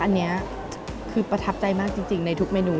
อันนี้คือประทับใจมากจริงในทุกเมนู